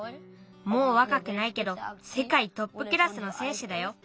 もうわかくないけどせかいトップクラスのせんしゅだよ。